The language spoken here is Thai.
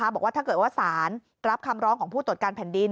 บอกว่าถ้าเกิดว่าสารรับคำร้องของผู้ตรวจการแผ่นดิน